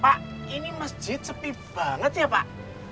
pak ini masjid sepi banget ya pak